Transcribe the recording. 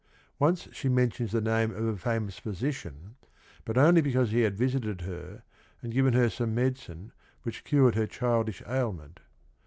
Once she mentions the name of a famous physician, but only because he had visited her and given her some medicine which cured her childish ail ment.